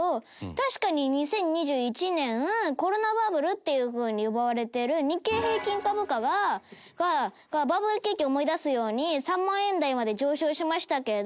確かに２０２１年コロナバブルっていうふうに呼ばれている日経平均株価がバブル景気を思い出すように３万円台まで上昇しましたけれど。